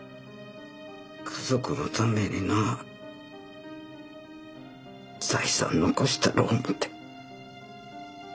家族のためにな財産残したろう思て。